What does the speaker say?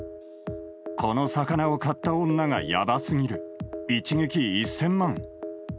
この魚を買った女がヤバすぎる一撃１０００万。